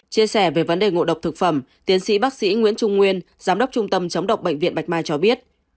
chia sẻ về vấn đề ngộ độc thực phẩm tiến sĩ bác sĩ nguyễn trung nguyên giám đốc trung tâm chống độc bệnh viện bạch mai cho biết